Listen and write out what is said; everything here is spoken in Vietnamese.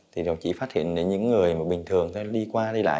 thì họ chỉ phát hiện những người bình thường đi qua đi lại